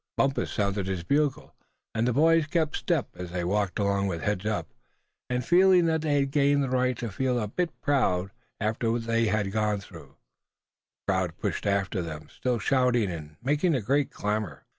Bumpus sounded his bugle, and the boys kept step as they walked along, with heads up, and feeling that they had gained the right to feel a bit proud, after what they had gone through. The crowd pushed after them, still shouting, and making a great clamor.